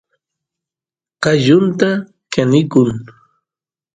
qallunta kanikun